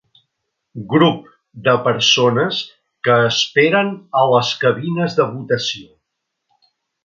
Grup de persones que esperen a les cabines de votació.